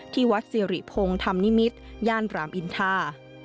ที่วัดสิริพงศ์ธรรมนิมิตรย่านรามอินทา